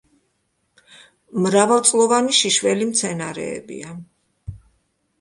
მრავალწლოვანი შიშველი მცენარეებია.